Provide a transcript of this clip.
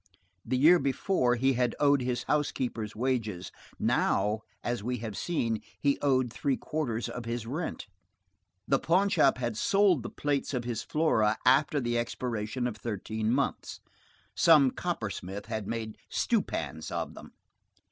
The year before he had owed his housekeeper's wages; now, as we have seen, he owed three quarters of his rent. The pawnshop had sold the plates of his Flora after the expiration of thirteen months. Some coppersmith had made stewpans of them.